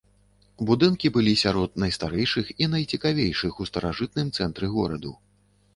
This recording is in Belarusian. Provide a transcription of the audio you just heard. Будынкі былі сярод найстарэйшых і найцікавейшых у старажытным цэнтры гораду.